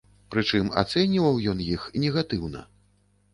Прычым ацэньваў ён іх негатыўна.